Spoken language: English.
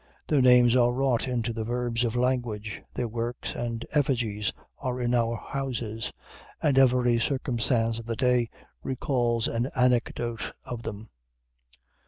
Their names are wrought into the verbs of language, their works and effigies are in our houses, and every circumstance of the day recalls an anecdote of them.